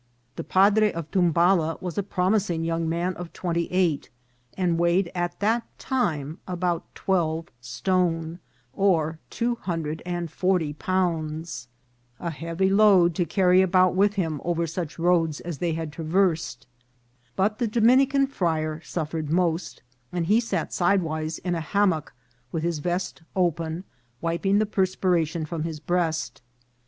The padre of Tumbala was a promising young man of twenty eight, and weighed at that time about twelve stone, or two hundred and forty pounds : a heavy load to carry about with him over such roads as they had traversed ; but the Dominican friar suffered most, and he sat sideways in a hammock, with his vest open, wiping the perspiration from his breast.